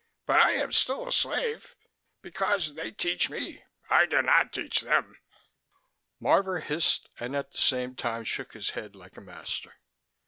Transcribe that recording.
"But I am still a slave, because they teach me. I do not teach them." Marvor hissed and at the same time shook his head like a master.